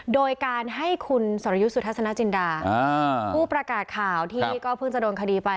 โดยการให้คุณสรยุทธ์สุทัศนจินดาผู้ประกาศข่าวที่ก็เพิ่งจะโดนคดีไป